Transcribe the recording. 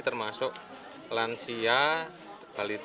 termasuk lansia anak anak dan ibu hamil